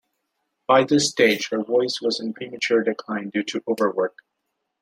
By this stage, her voice was in premature decline due to overwork.